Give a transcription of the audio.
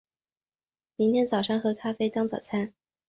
明天早上喝咖啡当早餐